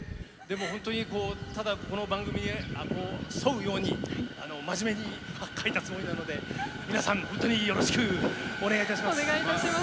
本当にただ、この番組に沿うように真面目に書いたつもりなので皆さん、本当によろしくお願いします。